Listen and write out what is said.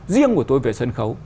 riêng của tôi về sân khấu